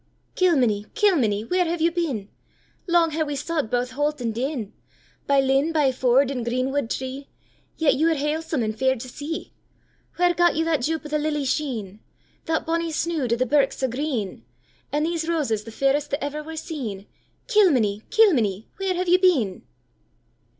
'Kilmeny, Kilmeny, where have you been? Lang hae we sought baith holt and den; By linn, by ford, and green wood tree, Yet you are halesome and fair to see. Where gat you that joup o' the lily scheen? That bonnie snood of the birk sae green? And these roses, the fairest that ever were seen? Kilmeny, Kilmeny, where have you been?